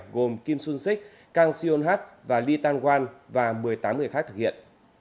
gồm kim xuân sích kang sion hát và ly tan quang và một mươi tám người khác thực hiện